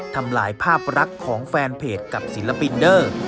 ทำลายภาพรักของแฟนเพจกับศิลปินเดอร์